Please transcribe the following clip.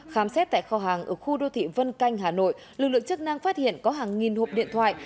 khám xét tại kho hàng ở khu đô thị vân canh hà nội lực lượng chức năng phát hiện có hàng nghìn hộp điện thoại